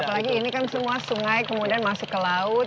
apalagi ini kan semua sungai kemudian masuk ke laut